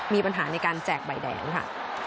มีปัญหาในการแจกใบแดงค่ะ